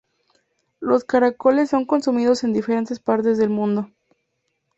Los caracoles son consumidos en diferentes partes del mundo.